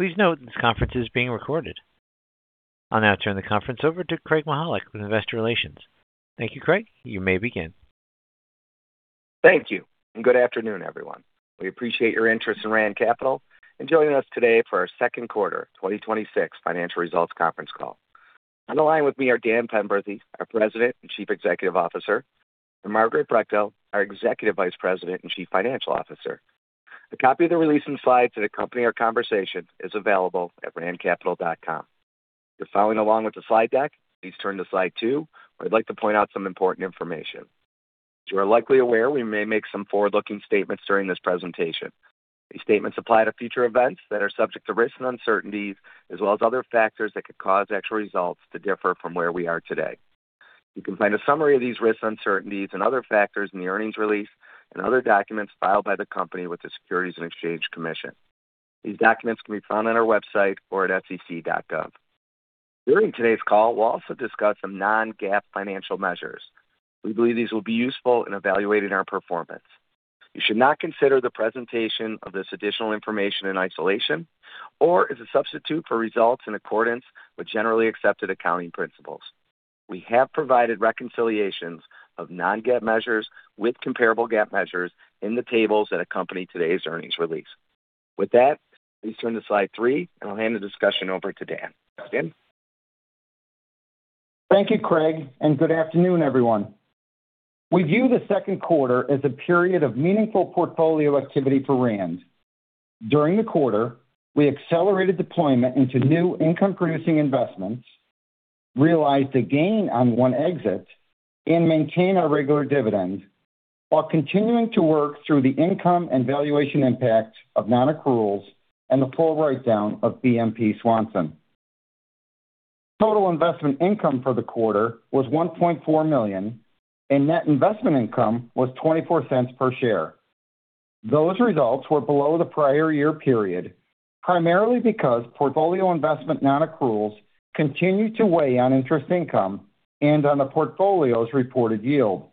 Please note this conference is being recorded. I'll now turn the conference over to Craig Mychajluk with Investor Relations. Thank you, Craig. You may begin. Thank you. Good afternoon, everyone. We appreciate your interest in Rand Capital and joining us today for our second quarter 2026 financial results conference call. On the line with me are Dan Penberthy, our President and Chief Executive Officer, and Margaret Brechtel, our Executive Vice President and Chief Financial Officer. A copy of the release and slides that accompany our conversation is available at randcapital.com. If you're following along with the slide deck, please turn to slide two where I'd like to point out some important information. As you are likely aware, we may make some forward-looking statements during this presentation. These statements apply to future events that are subject to risks and uncertainties, as well as other factors that could cause actual results to differ from where we are today. You can find a summary of these risks, uncertainties, and other factors in the earnings release and other documents filed by the company with the Securities and Exchange Commission. These documents can be found on our website or at sec.gov. During today's call, we'll also discuss some non-GAAP financial measures. We believe these will be useful in evaluating our performance. You should not consider the presentation of this additional information in isolation or as a substitute for results in accordance with Generally Accepted Accounting Principles. We have provided reconciliations of non-GAAP measures with comparable GAAP measures in the tables that accompany today's earnings release. With that, please turn to slide three. I'll hand the discussion over to Dan. Dan? Thank you, Craig. Good afternoon, everyone. We view the second quarter as a period of meaningful portfolio activity for Rand. During the quarter, we accelerated deployment into new income-producing investments, realized a gain on one exit, and maintained our regular dividend while continuing to work through the income and valuation impact of non-accruals and the full write-down of BMP Swanson. Total investment income for the quarter was $1.4 million, and net investment income was $0.24 per share. Those results were below the prior year period, primarily because portfolio investment non-accruals continued to weigh on interest income and on the portfolio's reported yield.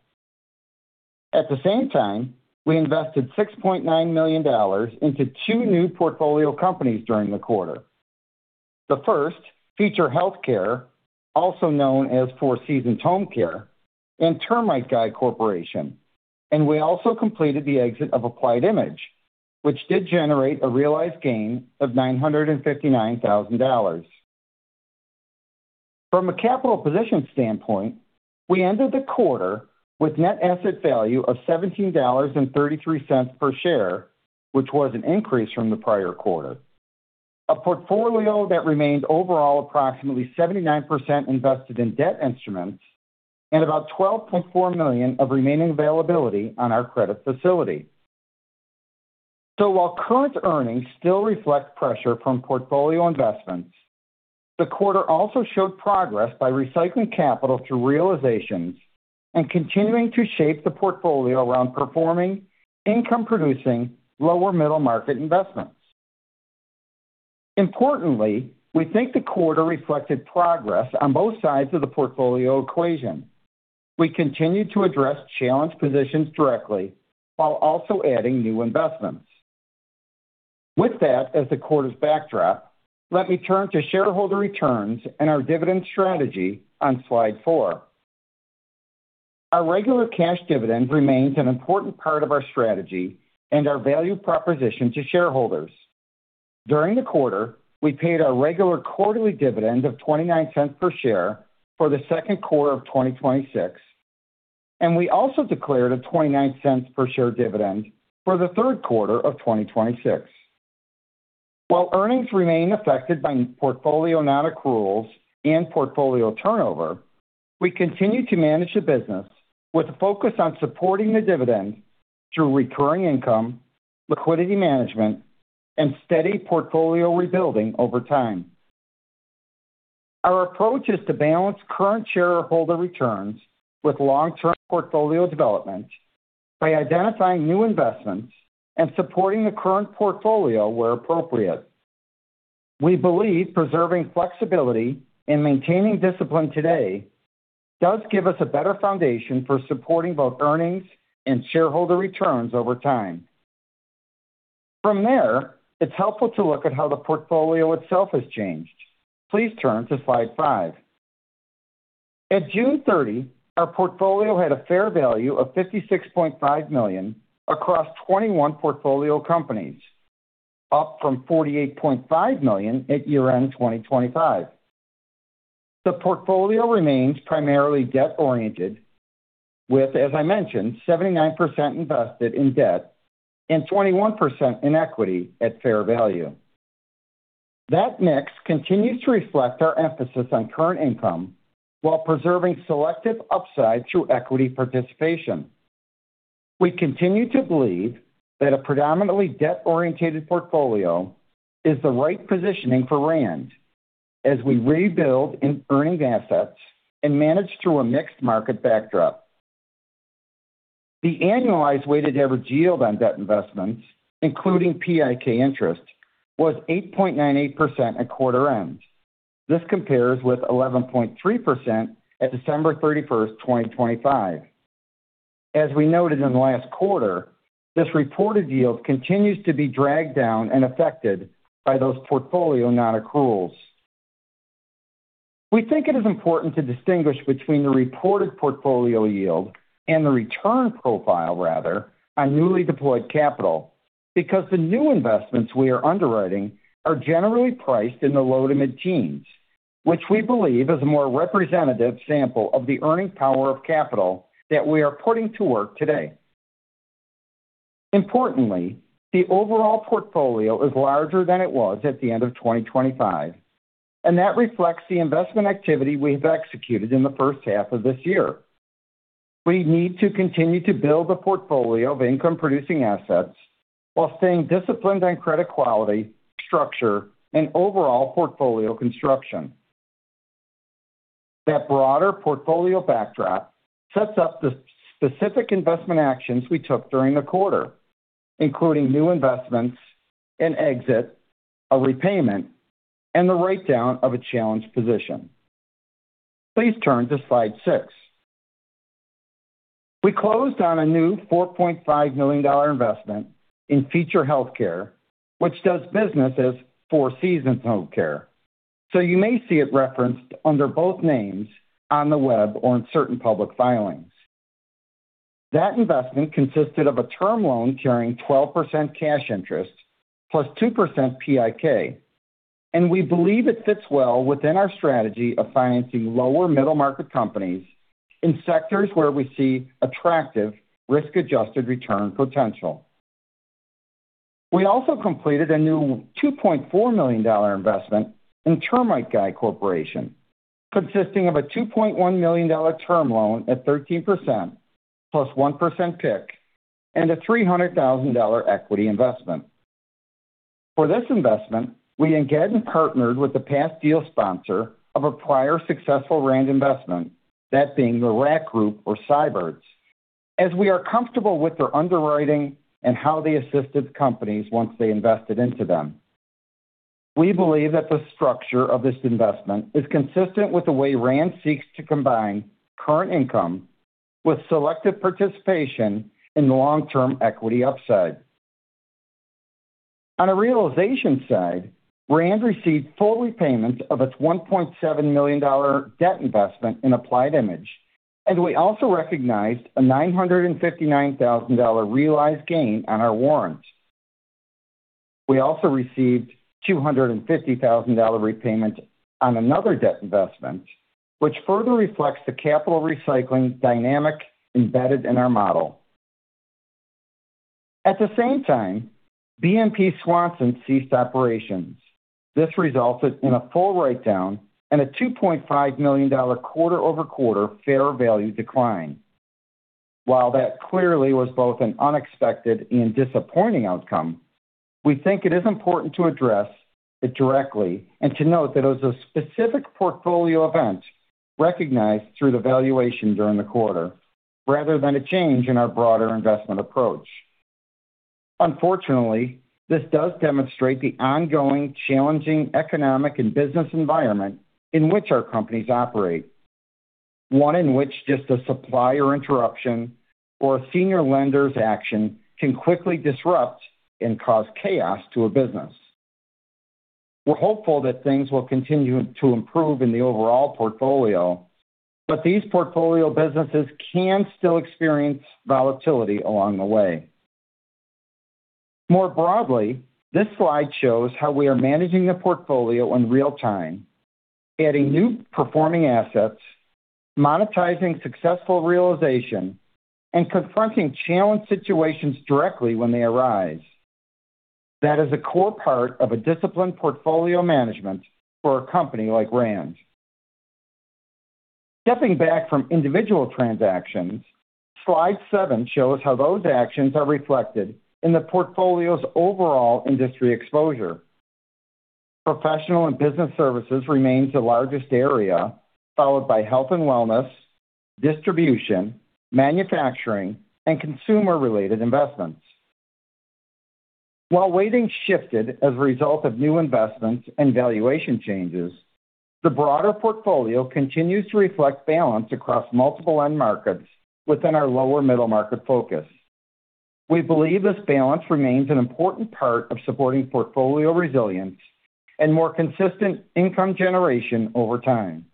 At the same time, we invested $6.9 million into two new portfolio companies during the quarter. The first, Feature Healthcare, also known as 4 Seasons Home Care, and Termite Guy Corporation. We also completed the exit of Applied Image, which did generate a realized gain of $959,000. From a capital position standpoint, we ended the quarter with net asset value of $17.33 per share, which was an increase from the prior quarter. A portfolio that remained overall approximately 79% invested in debt instruments and about $12.4 million of remaining availability on our credit facility. While current earnings still reflect pressure from portfolio investments, the quarter also showed progress by recycling capital through realizations and continuing to shape the portfolio around performing income-producing lower middle-market investments. Importantly, we think the quarter reflected progress on both sides of the portfolio equation. We continued to address challenged positions directly while also adding new investments. With that as the quarter's backdrop, let me turn to shareholder returns and our dividend strategy on slide four. Our regular cash dividend remains an important part of our strategy and our value proposition to shareholders. During the quarter, we paid our regular quarterly dividend of $0.29 per share for the second quarter of 2026, and we also declared a $0.29 per share dividend for the third quarter of 2026. While earnings remain affected by portfolio non-accruals and portfolio turnover, we continue to manage the business with a focus on supporting the dividend through recurring income, liquidity management, and steady portfolio rebuilding over time. Our approach is to balance current shareholder returns with long-term portfolio development by identifying new investments and supporting the current portfolio where appropriate. We believe preserving flexibility and maintaining discipline today does give us a better foundation for supporting both earnings and shareholder returns over time. From there, it's helpful to look at how the portfolio itself has changed. Please turn to slide five. At June 30, our portfolio had a fair value of $56.5 million across 21 portfolio companies, up from $48.5 million at year-end 2025. The portfolio remains primarily debt-oriented with, as I mentioned, 79% invested in debt and 21% in equity at fair value. That mix continues to reflect our emphasis on current income while preserving selective upside through equity participation. We continue to believe that a predominantly debt-orientated portfolio is the right positioning for Rand as we rebuild in earnings assets and manage through a mixed market backdrop. The annualized weighted average yield on debt investments, including PIK interest, was 8.98% at quarter end. This compares with 11.3% at December 31st, 2025. As we noted in last quarter, this reported yield continues to be dragged down and affected by those portfolio non-accruals. We think it is important to distinguish between the reported portfolio yield and the return profile, rather, on newly deployed capital because the new investments we are underwriting are generally priced in the low to mid teens, which we believe is a more representative sample of the earning power of capital that we are putting to work today. Importantly, the overall portfolio is larger than it was at the end of 2025, that reflects the investment activity we've executed in the first half of this year. We need to continue to build a portfolio of income-producing assets while staying disciplined on credit quality, structure, and overall portfolio construction. That broader portfolio backdrop sets up the specific investment actions we took during the quarter, including new investments, an exit, a repayment, and the write-down of a challenged position. Please turn to slide six. We closed on a new $4.5 million investment in Feature Healthcare, which does business as 4 Seasons Home Care. You may see it referenced under both names on the web or in certain public filings. That investment consisted of a term loan carrying 12% cash interest plus 2% PIK, and we believe it fits well within our strategy of financing lower middle market companies in sectors where we see attractive risk-adjusted return potential. We also completed a new $2.4 million investment in Termite Guy Corporation consisting of a $2.1 million term loan at 13% plus 1% PIK and a $300,000 equity investment. For this investment, we again partnered with the past deal sponsor of a prior successful Rand investment, that being The Rack Group or Seybert's, as we are comfortable with their underwriting and how they assisted companies once they invested into them. We believe that the structure of this investment is consistent with the way Rand seeks to combine current income with selective participation in the long-term equity upside. On a realization side, Rand received full repayment of its $1.7 million debt investment in Applied Image, and we also recognized a $959,000 realized gain on our warrants. We also received $250,000 repayment on another debt investment, which further reflects the capital recycling dynamic embedded in our model. At the same time, BMP Swanson ceased operations. This resulted in a full write-down and a $2.5 million quarter-over-quarter fair value decline. While that clearly was both an unexpected and disappointing outcome, we think it is important to address it directly and to note that it was a specific portfolio event recognized through the valuation during the quarter rather than a change in our broader investment approach. Unfortunately, this does demonstrate the ongoing challenging economic and business environment in which our companies operate. One in which just a supplier interruption or a senior lender's action can quickly disrupt and cause chaos to a business. We're hopeful that things will continue to improve in the overall portfolio, but these portfolio businesses can still experience volatility along the way. More broadly, this slide shows how we are managing the portfolio in real time, adding new performing assets, monetizing successful realization, and confronting challenged situations directly when they arise. That is a core part of a disciplined portfolio management for a company like Rand. Stepping back from individual transactions, slide seven shows how those actions are reflected in the portfolio's overall industry exposure. Professional and business services remains the largest area, followed by health and wellness, distribution, manufacturing, and consumer-related investments. While weighting shifted as a result of new investments and valuation changes, the broader portfolio continues to reflect balance across multiple end markets within our lower middle market focus. We believe this balance remains an important part of supporting portfolio resilience and more consistent income generation over time.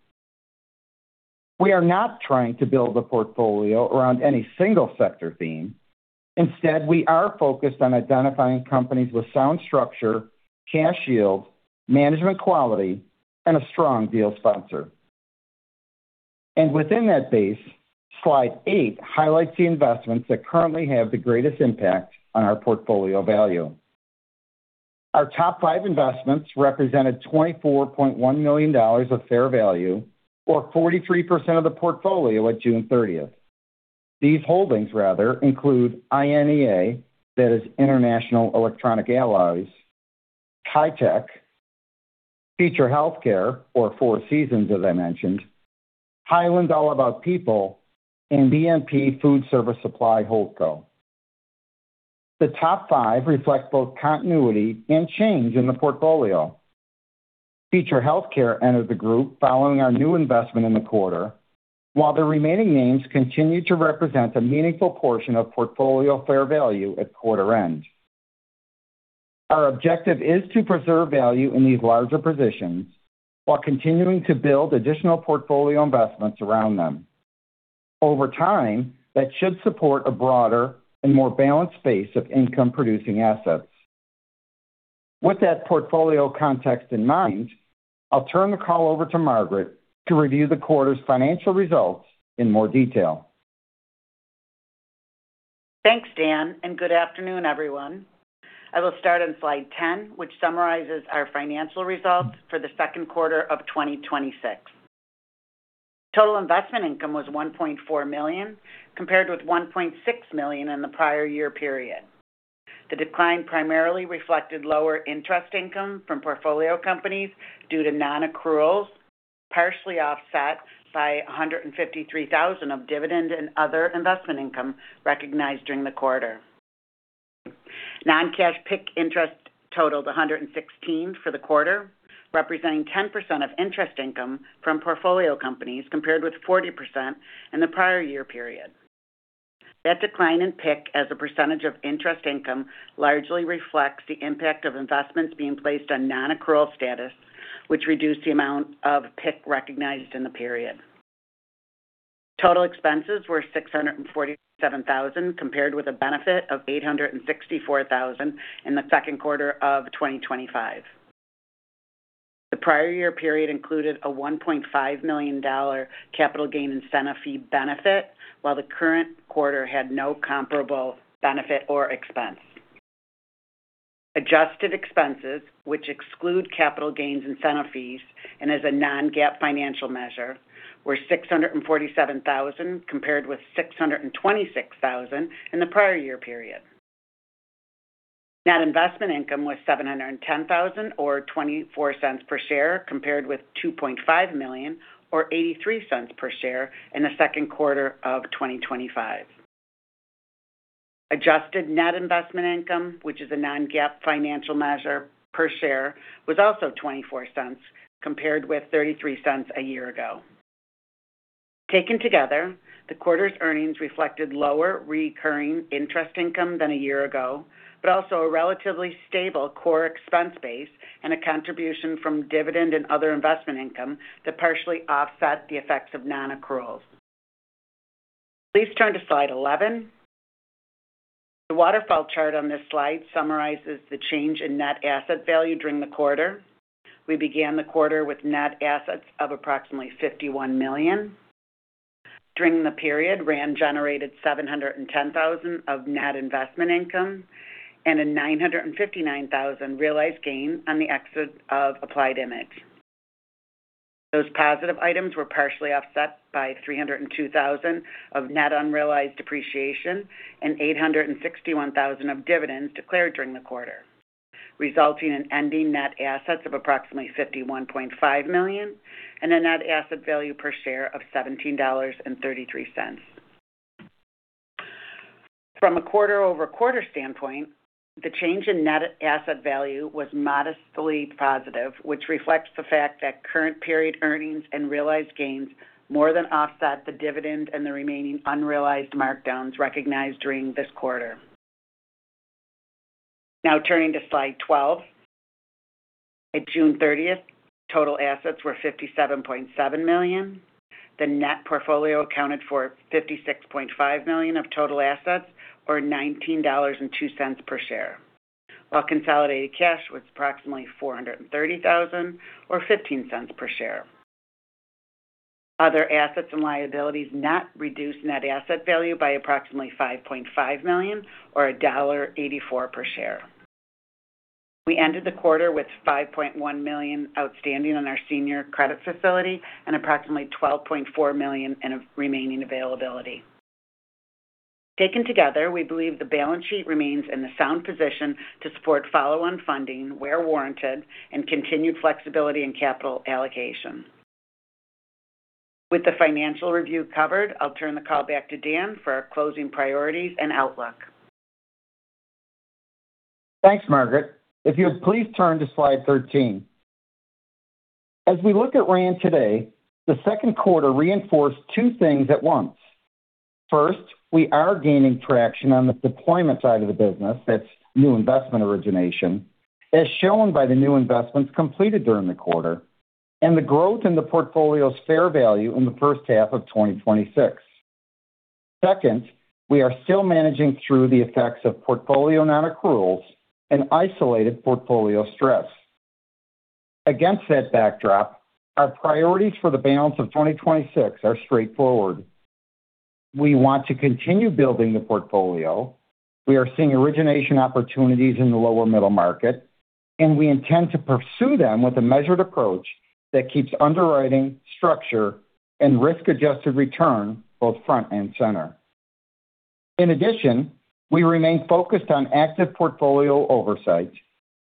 We are not trying to build a portfolio around any single sector theme. Instead, we are focused on identifying companies with sound structure, cash yield, management quality, and a strong deal sponsor. Within that base, slide eight highlights the investments that currently have the greatest impact on our portfolio value. Our top five investments represented $24.1 million of fair value or 43% of the portfolio at June 30th. These holdings, rather, include INEA, that is Inter-National Electronic Alloys, Caitec, Feature Healthcare or 4 Seasons as I mentioned, Highland All About People, and BMP Foodservice Supply Holdco. The top five reflect both continuity and change in the portfolio. Feature Healthcare entered the group following our new investment in the quarter, while the remaining names continue to represent a meaningful portion of portfolio fair value at quarter end. Our objective is to preserve value in these larger positions while continuing to build additional portfolio investments around them. Over time, that should support a broader and more balanced base of income-producing assets. With that portfolio context in mind, I'll turn the call over to Margaret to review the quarter's financial results in more detail. Thanks, Dan. Good afternoon, everyone. I will start on slide 10, which summarizes our financial results for the second quarter of 2026. Total investment income was $1.4 million, compared with $1.6 million in the prior year period. The decline primarily reflected lower interest income from portfolio companies due to non-accruals, partially offset by $153,000 of dividend and other investment income recognized during the quarter. Non-cash PIK interest totaled $116,000 for the quarter, representing 10% of interest income from portfolio companies, compared with 40% in the prior year period. That decline in PIK as a percentage of interest income largely reflects the impact of investments being placed on non-accrual status, which reduced the amount of PIK recognized in the period. Total expenses were $647,000, compared with a benefit of $864,000 in the second quarter of 2025. The prior year period included a $1.5 million capital gain incentive fee benefit, while the current quarter had no comparable benefit or expense. Adjusted expenses, which exclude capital gains incentive fees and as a non-GAAP financial measure, were $647,000, compared with $626,000 in the prior year period. Net investment income was $710,000, or $0.24 per share, compared with $2.5 million, or $0.83 per share, in the second quarter of 2025. Adjusted net investment income, which is a non-GAAP financial measure per share, was also $0.24, compared with $0.33 a year ago. Taken together, the quarter's earnings reflected lower recurring interest income than a year ago, but also a relatively stable core expense base and a contribution from dividend and other investment income that partially offset the effects of non-accruals. Please turn to slide 11. The waterfall chart on this slide summarizes the change in net asset value during the quarter. We began the quarter with net assets of approximately $51 million. During the period, Rand generated $710,000 of net investment income and a $959,000 realized gain on the exit of Applied Image. Those positive items were partially offset by $302,000 of net unrealized depreciation and $861,000 of dividends declared during the quarter, resulting in ending net assets of approximately $51.5 million and a net asset value per share of $17.33. From a quarter-over-quarter standpoint, the change in net asset value was modestly positive, which reflects the fact that current period earnings and realized gains more than offset the dividend and the remaining unrealized markdowns recognized during this quarter. Now turning to slide 12. At June 30th, total assets were $57.7 million. The net portfolio accounted for $56.5 million of total assets, or $19.02 per share. While consolidated cash was approximately $430,000 or $0.15 per share. Other assets and liabilities net reduced net asset value by approximately $5.5 million or $1.84 per share. We ended the quarter with $5.1 million outstanding on our senior credit facility and approximately $12.4 million in remaining availability. Taken together, we believe the balance sheet remains in a sound position to support follow-on funding where warranted and continued flexibility in capital allocation. With the financial review covered, I'll turn the call back to Dan for our closing priorities and outlook. Thanks, Margaret. If you would please turn to slide 13. As we look at Rand today, the second quarter reinforced two things at once. First, we are gaining traction on the deployment side of the business, that's new investment origination, as shown by the new investments completed during the quarter and the growth in the portfolio's fair value in the first half of 2026. Second, we are still managing through the effects of portfolio non-accruals and isolated portfolio stress. Against that backdrop, our priorities for the balance of 2026 are straightforward. We want to continue building the portfolio. We are seeing origination opportunities in the lower middle market, and we intend to pursue them with a measured approach that keeps underwriting, structure, and risk-adjusted return both front and center. In addition, we remain focused on active portfolio oversight.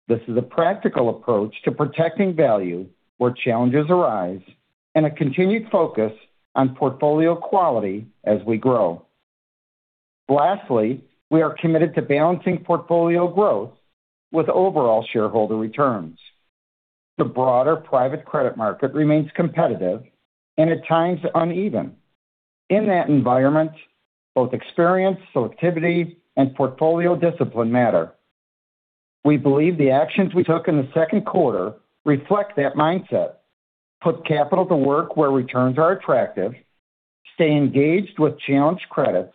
This is a practical approach to protecting value where challenges arise and a continued focus on portfolio quality as we grow. Lastly, we are committed to balancing portfolio growth with overall shareholder returns. The broader private credit market remains competitive and, at times, uneven. In that environment, both experience, selectivity, and portfolio discipline matter. We believe the actions we took in the second quarter reflect that mindset. Put capital to work where returns are attractive, stay engaged with challenged credits,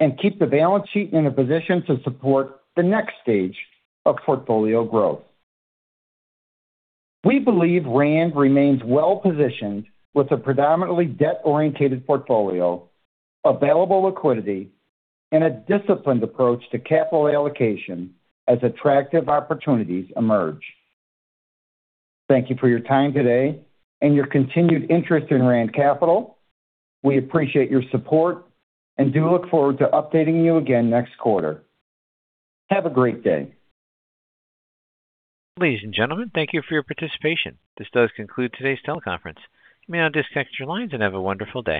and keep the balance sheet in a position to support the next stage of portfolio growth. We believe Rand remains well-positioned with a predominantly debt-orientated portfolio, available liquidity, and a disciplined approach to capital allocation as attractive opportunities emerge. Thank you for your time today and your continued interest in Rand Capital. We appreciate your support and do look forward to updating you again next quarter. Have a great day. Ladies and gentlemen, thank you for your participation. This does conclude today's teleconference. You may now disconnect your lines and have a wonderful day.